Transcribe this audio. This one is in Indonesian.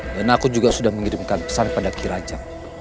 dan aku juga sudah mengirimkan pesan pada kisahmu